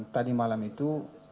tadi malam itu